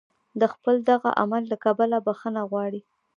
د خپل دغه عمل له کبله بخښنه وغواړي.